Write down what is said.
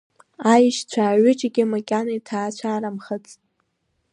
Аешьцәа аҩыџьагьы макьана иҭаацәарамхац.